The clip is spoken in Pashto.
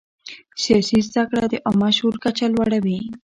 سیاسي زده کړه د عامه شعور کچه لوړوي